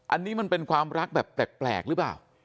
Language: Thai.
อันนี้มันเป็นความรักแบบแปลกหรือเปล่า